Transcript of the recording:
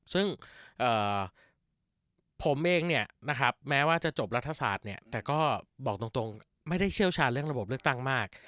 ซึ่งผมเองเนี่ยนะครับแม้ว่าจะจบรัฐศาสตร์เนี่ยแต่ก็บอกตรงไม่ได้เชี่ยวชาญเรื่องระบบเลือกตั้งมาก